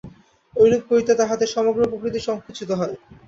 ঐরূপ করিতে তাঁহাদের সমগ্র প্রকৃতি সঙ্কুচিত হয়।